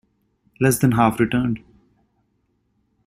Less than half returned.